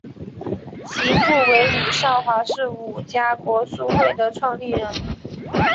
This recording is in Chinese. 其父为伍绍华是伍家国术会的创立人。